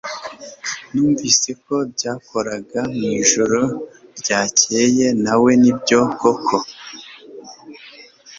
Numvise ko byakoraga mwijoro ryakeye nawe Nibyo koko